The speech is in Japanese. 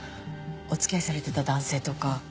おつきあいされてた男性とか。